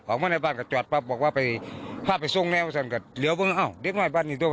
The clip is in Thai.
ออกมาในบ้านก็จอดพ่อบอกว่าไปพ่อไปทรงแล้วซังกัดเหลือบ้างอ้าวเด็กหน้าในบ้านนี้ด้วย